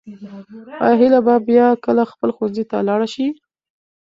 آیا هیله به بیا کله خپل ښوونځي ته لاړه شي؟